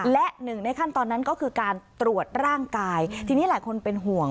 และหนึ่งในขั้นตอนนั้นก็คือการตรวจร่างกายทีนี้หลายคนเป็นห่วง